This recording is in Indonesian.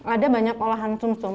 ada banyak olahan sum sum